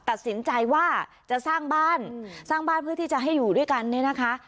ตัดสินใจว่าจะสร้างบ้านสร้างบ้านเพื่อที่จะให้อยู่ด้วยกันเนี่ยนะคะ